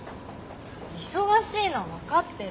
忙しいのは分かってる。